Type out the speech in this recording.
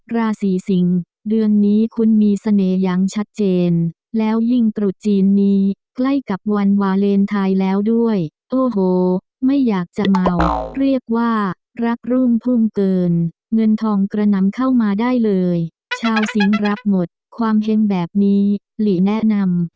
ราศีสิงศ์เดือนนี้คุณมีเสน่ห์ยังชัดเจนแล้วยิ่งตรุษจีนนี้ใกล้กับวันวาเลนไทยแล้วด้วยโอ้โหไม่อยากจะเมาเรียกว่ารักรุ่งพุ่งเกินเงินทองกระนำเข้ามาได้เลยชาวสิงห์รับหมดความเห็งแบบนี้หลีแนะนำ